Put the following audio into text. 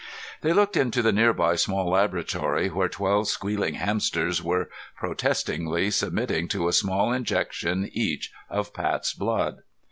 They looked into the nearby small laboratory where twelve squealing hamsters were protestingly submitting to a small injection each of Pat's blood.